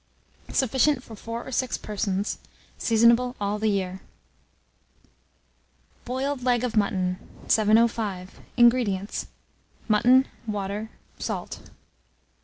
Sufficient for 4 or 6 persons. Seasonable all the year. BOILED LEG OF MUTTON. 705. INGREDIENTS. Mutton, water, salt.